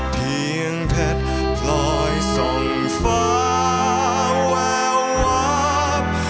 เพียงเพชรพลอยส่งฟ้าแวววาบ